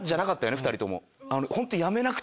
２人とも。